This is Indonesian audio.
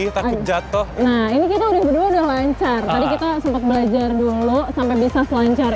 ditahan jatuh nah ini kita udah berdua udah lancar tadi kita sempat belajar dulu sampai bisa selancar